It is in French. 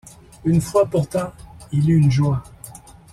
Une fois pourtant il eut une joie.